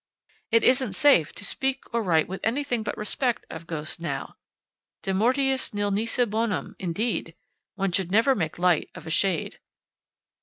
It isn't safe to speak or write with anything but respect of ghosts now. De mortuis nil nisi bonum, indeed! One should never make light of a shade.